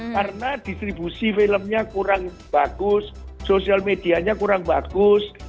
karena distribusi filmnya kurang bagus sosial medianya kurang bagus